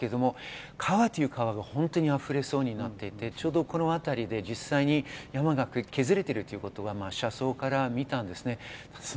川という川があふれそうになっていて、このあたりで実際山が削れているということは車窓から見ました。